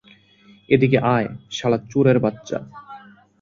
এদিকে আয়, শালা চোরের বাচ্চা!